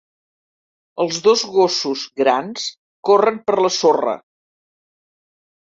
Els dos gossos grans corren per la sorra.